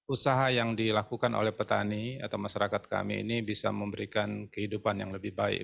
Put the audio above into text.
usaha yang dilakukan oleh petani atau masyarakat kami ini bisa memberikan kehidupan yang lebih baik